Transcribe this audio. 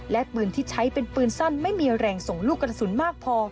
และปืนที่ใช้เป็นปืนสั้นไม่มีแรงส่งลูกกระสุนมากพอ